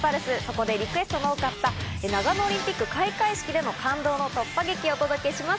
そこでリクエストの多かった長野五輪開会式での感動の突破劇をお届けします。